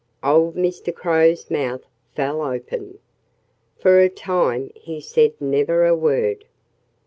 Old Mr. Crow's mouth fell open. For a time he said never a word.